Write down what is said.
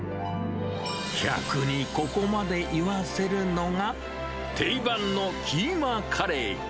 客にここまで言わせるのが、定番のキーマカレー。